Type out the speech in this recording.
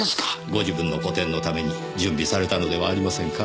ご自分の個展のために準備されたのではありませんか？